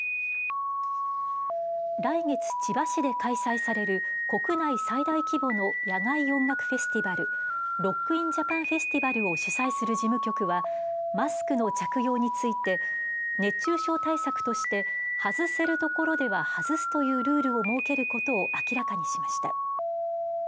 来月、千葉市で開催される国内最大規模の野外音楽フェスティバルロック・イン・ジャパン・フェスティバルを主催する事務局はマスクの着用について熱中症対策として外せるところでは外すというルールを設けることを明らかにしました。